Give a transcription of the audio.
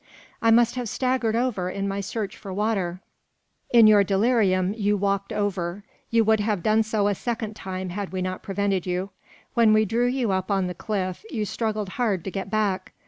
"I must have staggered over in my search for water." "In your delirium you walked over. You would have done so a second time had we not prevented you. When we drew you up on the cliff, you struggled hard to get back.